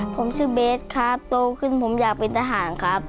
ผมชื่อเบสครับโตขึ้นผมอยากเป็นทหารครับ